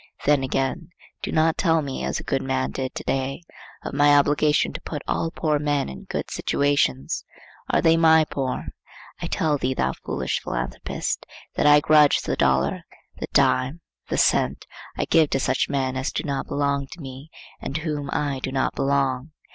Then again, do not tell me, as a good man did to day, of my obligation to put all poor men in good situations. Are they my poor? I tell thee thou foolish philanthropist that I grudge the dollar, the dime, the cent, I give to such men as do not belong to me and to whom I do not belong.